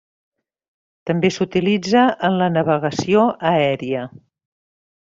També s'utilitza en la navegació aèria.